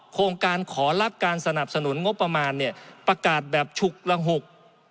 โครงการขอรับการสนับสนุนงบประมาณเนี่ยประกาศแบบฉุกระหก